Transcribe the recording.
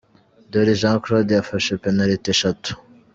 Ndoli Jean Claude yafashe penaliti eshatu.